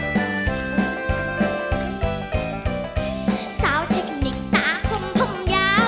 น้องเป็นซาวเทคนิคตาคมพมยาว